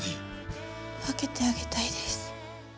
分けてあげたいです